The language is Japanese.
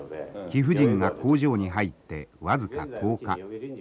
貴婦人が工場に入って僅か１０日。